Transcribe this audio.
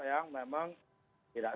yang memang tidak